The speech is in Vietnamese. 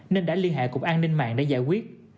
nên đã liên hệ cục an ninh mạng để giải quyết